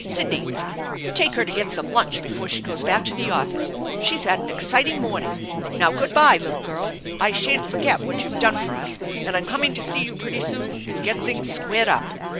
Sidney, you take her to get some lunch before she goes back to the office. She's had an exciting morning. Now, good by, little girl. I sha'n't forget what you've done for us, and I'm coming to see you pretty soon and get things squared up."